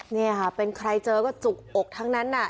นี่ค่ะเป็นใครเจอก็จุกอกทั้งนั้น